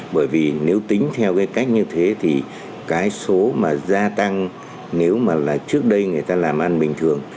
bởi vì nếu tính theo cái cách như thế thì cái số mà gia tăng nếu mà là trước đây người ta làm ăn bình thường